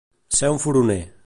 Ser un furoner.